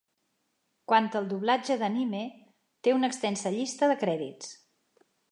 Quant al doblatge d'anime, té una extensa llista de crèdits.